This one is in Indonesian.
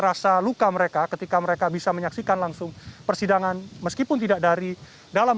rasa luka mereka ketika mereka bisa menyaksikan langsung persidangan meskipun tidak dari dalam